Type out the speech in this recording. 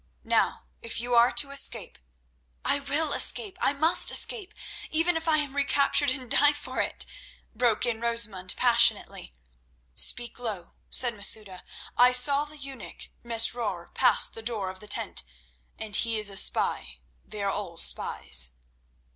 Now if you are to escape—" "I will escape! I must escape, even if I am recaptured and die for it," broke in Rosamund passionately. "Speak low," said Masouda. "I saw the eunuch Mesrour pass the door of the tent, and he is a spy—they all are spies."